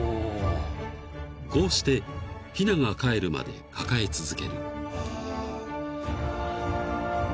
［こうしてひながかえるまで抱え続ける］